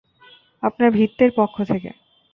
আপনার ভৃত্যের পক্ষ থেকে।